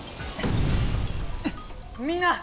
みんな！